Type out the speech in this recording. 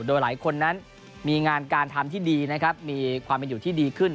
โดยหลายคนนั้นมีงานการทำที่ดีมีความอยู่ที่ดีขึ้น